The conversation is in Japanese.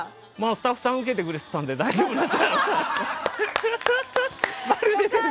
スタッフさんがウケてくれてたので大丈夫かな。